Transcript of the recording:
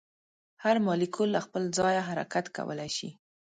هر مالیکول له خپل ځایه حرکت کولی شي.